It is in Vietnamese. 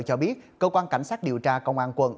cho biết cơ quan cảnh sát điều tra công an quận